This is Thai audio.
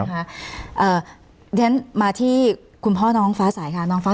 เพราะฉะนั้นมาที่คุณพ่อน้องฟ้าสายค่ะน้องฟ้า